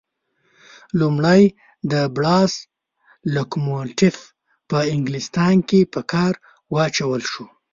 لومړی د بړاس لکوموټیف په انګلیستان کې په کار واچول شو.